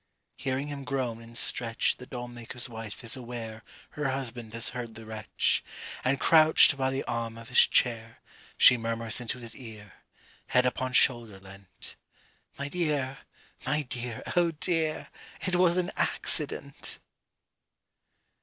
Hearing him groan and stretch The doll maker's wife is aware Her husband has heard the wretch, And crouched by the arm of his chair, She murmurs into his ear, Head upon shoulder leant: 'My dear, my dear, oh dear, It was an accident.'